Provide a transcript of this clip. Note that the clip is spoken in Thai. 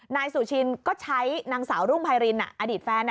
นายสุชินก็ใช้นางสาวรุ่งไพรินอดีตแฟน